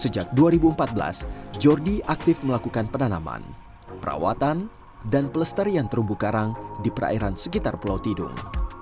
sejak dua ribu empat belas jordi aktif melakukan penanaman perawatan dan pelestarian terumbu karang di perairan sekitar pulau tidung